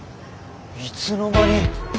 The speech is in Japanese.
いつの間に？